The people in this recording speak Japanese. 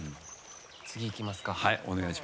次、いきますか。